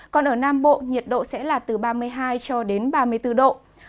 còn ở nam bộ nhiệt độ sẽ là từ ba mươi hai ba mươi bốn độ